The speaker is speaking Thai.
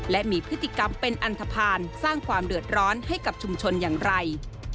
และมีพฤติกรรมเป็นอันทภาณสร้างความเดือดร้อนให้กับชุมชนอย่างไร